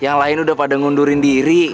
yang lain udah pada ngundurin diri